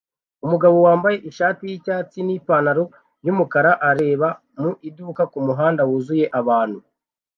Umugabo wambaye ishati yicyatsi nipantaro yumukara areba mu iduka kumuhanda wuzuye abantu